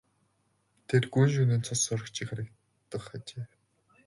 Тэр гүн шөнийн цус сорогч шиг харагдах ажээ.